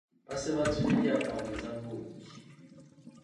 Ba se ba tswile diaparong tsa booki.